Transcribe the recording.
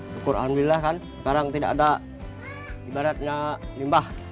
syukur alhamdulillah kan sekarang tidak ada ibaratnya limbah